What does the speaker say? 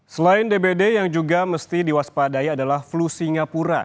selain dbd yang juga mesti diwaspadai adalah flu singapura